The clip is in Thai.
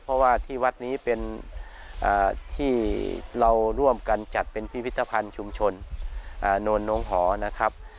เพราะว่าที่วัดนี้เป็นที่เราร่วมกันจัดเป็นพิพิธภัณฑ์ชุมชนโนนน้องหอนะครับ